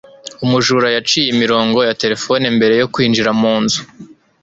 umujura yaciye imirongo ya terefone mbere yo kwinjira mu nzu